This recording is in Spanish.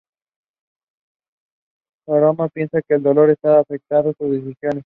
Foreman piensa que el dolor está afectando sus decisiones.